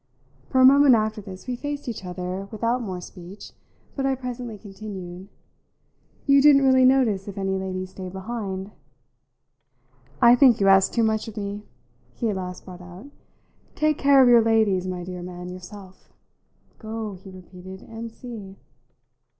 For a moment after this we faced each other without more speech, but I presently continued: "You didn't really notice if any lady stayed behind?" "I think you ask too much of me," he at last brought out. "Take care of your ladies, my dear man, yourself! Go," he repeated, "and see."